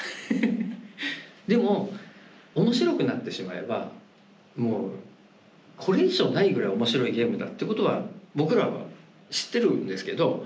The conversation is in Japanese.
でも面白くなってしまえばもうこれ以上ないぐらい面白いゲームだってことは僕らは知ってるんですけど。